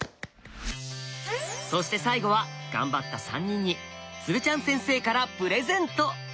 そして最後は頑張った３人に鶴ちゃん先生からプレゼント！